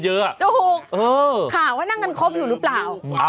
จะถูกข่าวว่านั่งกันครบอยู่หรือเปล่า